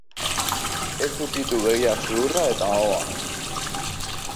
Ez ukitu begiak, sudurra eta ahoa.